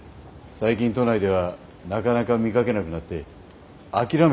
最近都内ではなかなか見かけなくなって諦めてたんですよ。